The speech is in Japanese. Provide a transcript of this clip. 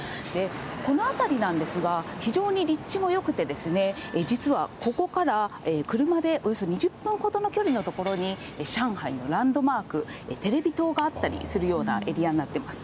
この辺りなんですが、非常に立地もよくて、実はここから車でおよそ２０分ほどの距離の所に上海のランドマーク、テレビ塔があったりするようなエリアになっています。